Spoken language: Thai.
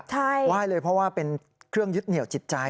ใช่ไหว้เลยเพราะว่าเป็นเครื่องยึดเหนียวจิตใจ